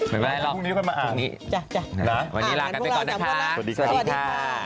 ไม่เป็นไรหรอกพรุ่งนี้ก็มาอ่านวันนี้ลากันไปก่อนนะคะสวัสดีค่ะ